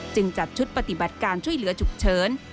จัดชุดปฏิบัติการช่วยเหลือฉุกเฉิน